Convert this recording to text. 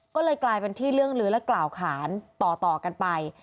ก็เลยกลายเป็นที่เรื่องลื้อและกล่าวขานต่อกันไป